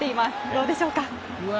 どうでしょうか？